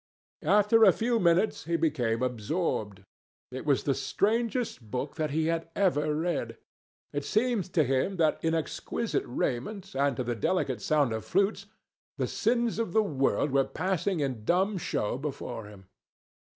After a few minutes he became absorbed. It was the strangest book that he had ever read. It seemed to him that in exquisite raiment, and to the delicate sound of flutes, the sins of the world were passing in dumb show before him.